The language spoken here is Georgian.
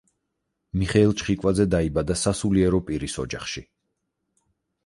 მიხეილ ჩხიკვაძე დაიბადა სასულიერო პირის ოჯახში.